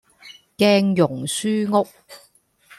鏡蓉書屋